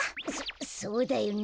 そうだよね。